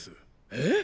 えっ！？